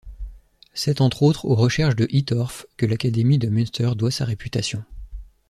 C'est entre autres aux recherches de Hittorf que l'Académie de Münster doit sa réputation.